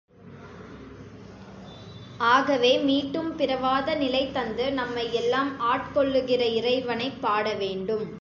ஆகவே மீட்டும் பிறவாத நிலை தந்து நம்மை எல்லாம் ஆட் கொள்ளுகிற இறைவனைப் பாட வேண்டும்.